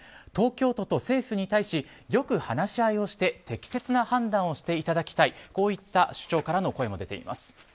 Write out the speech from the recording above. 東京都と政府に対しよく話し合いをして適切な判断をしていただきたいこういった首長からの声も出ています。